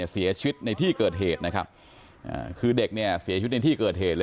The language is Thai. เสียชีวิตในที่เกิดเหตุคือเด็กเสียชีวิตในที่เกิดเหตุ